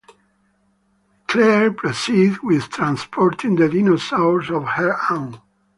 Claire proceeds with transporting the dinosaurs on her own.